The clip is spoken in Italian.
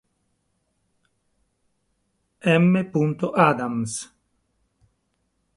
M. Adams.